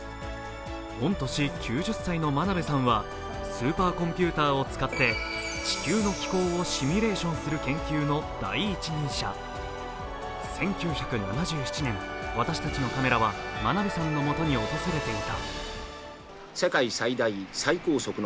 御年９０歳の真鍋さんはスーパーコンピューターを使って地球の気候をシミュレーションする研究の第一人者、１９７７年、私たちのカメラは真鍋さんのもとを訪れていた。